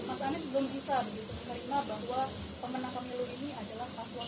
mas anies belum bisa begitu menerima bahwa pemenang pemilu ini adalah paslon